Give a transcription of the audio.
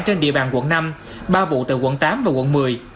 trên địa bàn quận năm ba vụ tại quận tám và quận một mươi